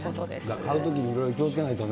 買うときにいろいろ気をつけないとね。